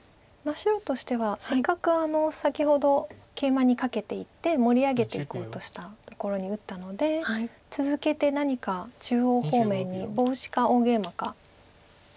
白としてはせっかく先ほどケイマにカケていって盛り上げていこうとしたところに打ったので続けて何か中央方面にボウシか大ゲイマかして。